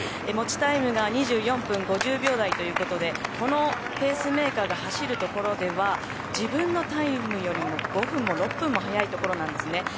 持ちタイムが２４分５０秒台ということでこのペースメーカーが走るところでは自分のタイムよりも５分も６分も速いところなんですね。